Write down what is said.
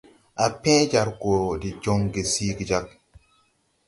Á pẽẽ jar gɔ de jɔŋge siigi jag.